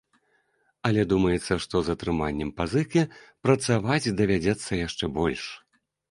Але думаецца, што з атрыманнем пазыкі, працаваць давядзецца яшчэ больш.